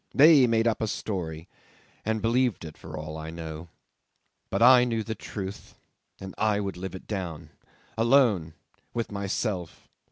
They made up a story, and believed it for all I know. But I knew the truth, and I would live it down alone, with myself.